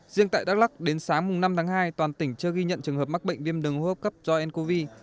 riêng tại đắk lắc đến sáng năm tháng hai toàn tỉnh chưa ghi nhận trường hợp mắc bệnh viêm đường hô hấp cấp do ncov